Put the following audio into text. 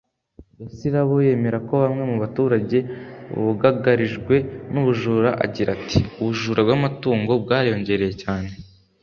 Gasirabo yemera ko bamwe mu baturage buggarijwe n’ubujura agira ati “Ubujura bw’amatungo bwariyongereye cyane